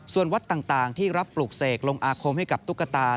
ส่วนวัดต่างที่รับปลูกเสกลงอาคมให้กับตุ๊กตา